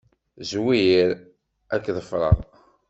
Zwir. Ad k-ḍefreɣ.